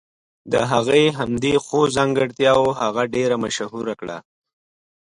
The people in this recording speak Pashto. د هغې همدې ښو ځانګرتياوو هغه ډېره مشهوره کړه.